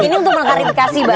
ini untuk mengkarifikasi